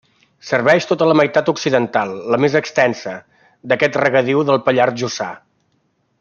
Serveix tota la meitat occidental -la més extensa- d'aquest regadiu del Pallars Jussà.